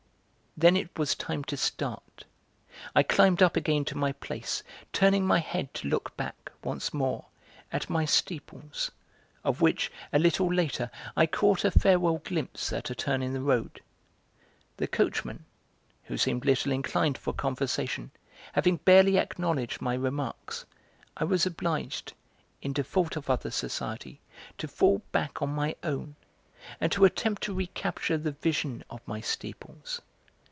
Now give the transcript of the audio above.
Then it was time to start; I climbed up again to my place, turning my head to look back, once more, at my steeples, of which, a little later, I caught a farewell glimpse at a turn in the road. The coachman, who seemed little inclined for conversation, having barely acknowledged my remarks, I was obliged, in default of other society, to fall back on my own, and to attempt to recapture the vision of my steeples.